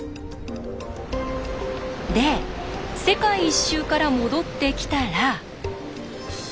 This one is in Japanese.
で世界一周から戻ってきたら。